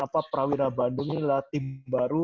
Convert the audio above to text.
prawira bandung ini adalah tim baru